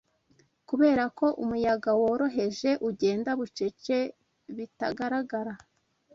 Kuberako umuyaga woroheje ugenda Bucece, bitagaragara